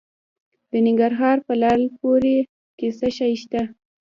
د ننګرهار په لعل پورې کې څه شی شته؟